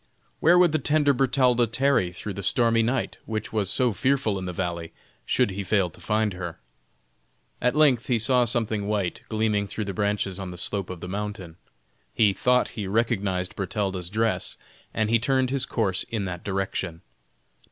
Where would the tender Bertalda tarry through the stormy night, which was so fearful in the valley, should he fail to find her? At length he saw something white gleaming through the branches on the slope of the mountain. He thought he recognized Bertalda's dress, and he turned his course in that direction.